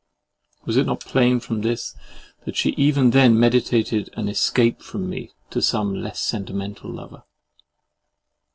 Was it not plain from this that she even then meditated an escape from me to some less sentimental lover?